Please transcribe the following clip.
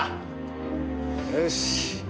よし。